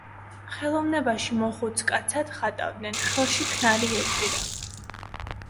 ხელოვნებაში მოხუც კაცად ხატავდნენ, ხელში ქნარი ეჭირა.